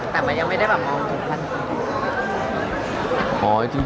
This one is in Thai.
แต่มันยังไม่ได้มามองถูกกัน